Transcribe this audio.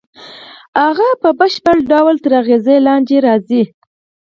هغه په بشپړ ډول تر اغېز لاندې یې راځي